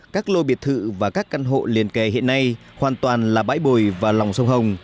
các lô biệt thự và các căn hộ liền kề hiện nay hoàn toàn là bãi bồi và lòng sông hồng